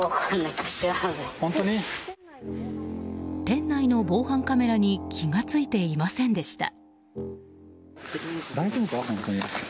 店内の防犯カメラに気が付いていませんでした。